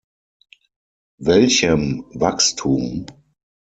Welchem Wachstum?